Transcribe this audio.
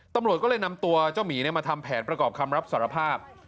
ตำรวจก็เลยนำตัวเจ้าหมีมาทำแผนประกอบคำรับสารภาพ